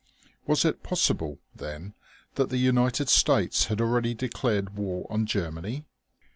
Was it possible, then, that the United States had already declared war on Germany?